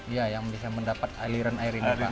iya yang bisa mendapat aliran air ini pak